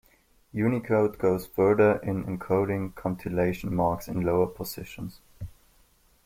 Unicode goes further in encoding cantillation marks in lower positions.